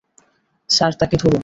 Sir তাকে ধরুন।